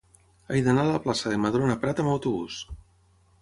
He d'anar a la plaça de Madrona Prat amb autobús.